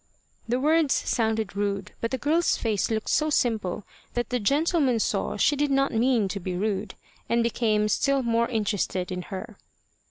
The words sounded rude, but the girl's face looked so simple that the gentleman saw she did not mean to be rude, and became still more interested in her.